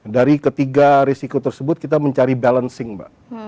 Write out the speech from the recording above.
dari ketiga risiko tersebut kita mencari balancing mbak